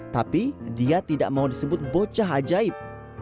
tapi dia tidak mau disebut bocah ajaib